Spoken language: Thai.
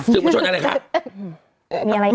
สื่อมวลชนอะไรคะ